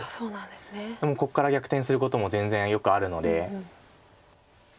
でもここから逆転することも全然よくあるので。